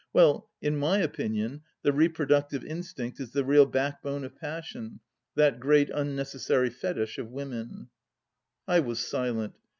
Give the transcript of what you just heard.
Well, in my opinion the reproductive instinct is the real backbone of passion, that great unnecessary fetish of women 1 "... I was silent.